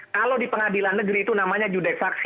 kalau di pengadilan negeri itu namanya judek faksi